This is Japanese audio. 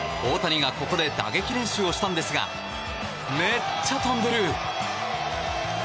大谷がここで打撃練習をしたんですがめっちゃ飛んでる！